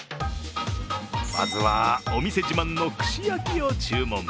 まずはお店自慢の串焼きを注文。